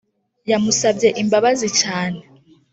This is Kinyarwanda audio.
Yamusabye imbabazi cyane